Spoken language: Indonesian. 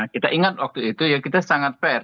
kita ingat waktu itu ya kita sangat fair